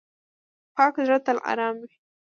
پاک زړه تل آرام وي.